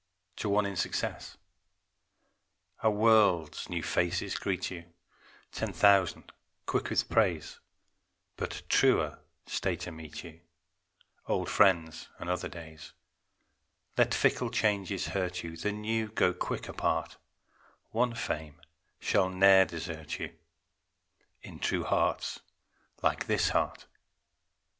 TO ONE IN SUCCESS A world's new faces greet you, Ten thousand quick with praise, But truer stay to meet you Old friends and other days: Let fickle changes hurt you, (The new go quick apart) One fame shall ne'er desert you In true hearts like this heart.